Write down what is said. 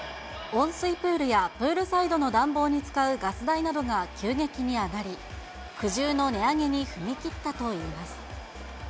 温水プールやプールサイドの暖房に使うガス代などが急激に上がり、苦渋の値上げに踏み切ったといいます。